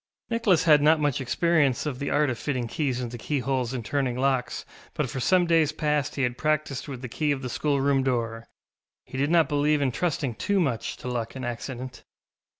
Nicholas had not had much experience of the art of fitting keys into keyholes and turning locks, but for some days past he had practised with the key of the schoolroom door; he did not believe in trusting too much to luck and accident.